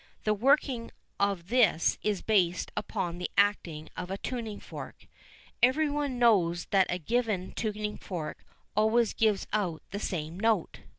The working of this is based upon the acting of a tuning fork. Everyone knows that a given tuning fork always gives out the same note.